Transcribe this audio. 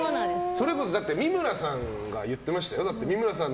それこそ三村さんが言ってましたよ。